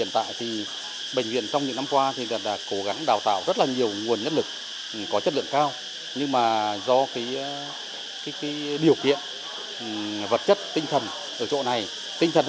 tại bệnh viện phong gia liễu trung ương quỳnh lập trong khoảng một mươi năm năm nay